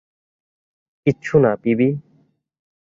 কিচ্ছু না, পিবি।